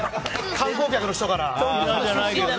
観光客の人から。